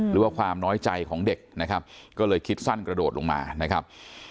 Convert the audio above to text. หรือว่าความน้อยใจของเด็กนะครับก็เลยคิดสั้นกระโดดลงมานะครับ